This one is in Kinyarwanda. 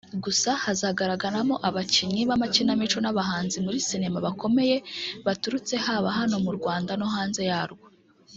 Gusa hazagaragaramo abakinnyi b’amakinamico n’abahanzi muri sinema bakomeye baturutse haba hano mu Rwanda no hanze yarwo